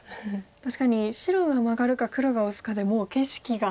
確かに白がマガるか黒がオスかでもう景色が。